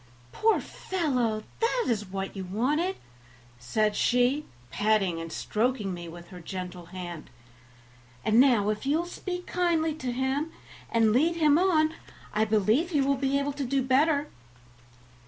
"Poor fellow! that is what you wanted," said she, patting and stroking me with her gentle hand; "and now if you will speak kindly to him and lead him on I believe he will be able to do better."